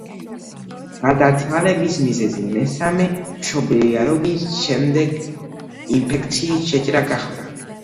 გარდაცვალების მიზეზი მესამე მშობიარობის შემდეგ ინფექციის შეჭრა გახდა.